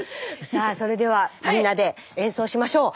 さあそれではみんなで演奏しましょう。